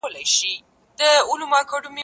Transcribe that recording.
ښځې د سولې په ټینګښت کې مرسته کوي.